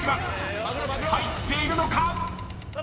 ［入っているのか⁉］